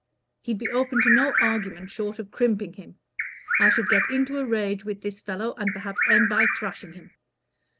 He'd be open to no argument short of crimping him. I should get into a rage with this fellow, and perhaps end by thrashing him.